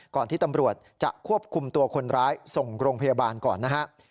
ก่อนที่ตำรวจจะควบคุมตัวคนร้ายส่งโรงพยาบาลก่อนนะฮะ